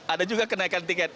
ada juga kenaikan tiket